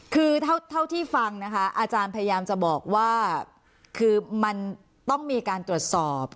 คือเท่าที่ฟังนะคะอาจารย์พยายามจะบอกว่าคือมันต้องมีการตรวจสอบ